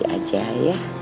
yaudah aja ya